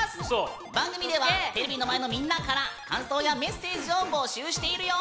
番組ではテレビの前のみんなから感想やメッセージを募集しているよ。